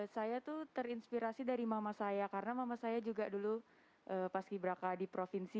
saya tuh terinspirasi dari mama saya karena mama saya juga dulu paski braka di provinsi